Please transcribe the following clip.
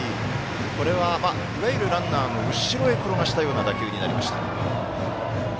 これは、いわゆるランナーの後ろへ転がしたような打球になりました。